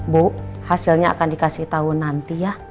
bu hasilnya akan dikasih tahu nanti ya